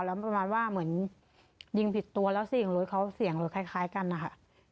แล้วประมาณว่าเหมือนยิงผิดตัวแล้วเสียงรถเขาเสียงรถคล้ายกันนะคะ